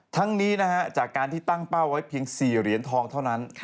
ทั้งนี้จากการที่ตั้งเป้าไว้เพียง๔เหรียญทองเท่านั้น